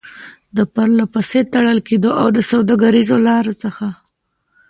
د پرلپسې تړل کېدو او د سوداګريزو لارو څخه